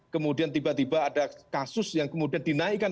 kemudian tiba tiba ada kasus yang kemudian dinaikkan